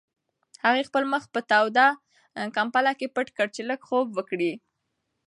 هغې خپل مخ په توده کمپله کې پټ کړ چې لږ خوب وکړي.